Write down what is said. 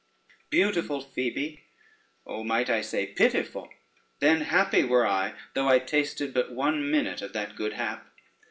Beautiful Phoebe! oh, might I say pitiful, then happy were I, though I tasted but one minute of that good hap.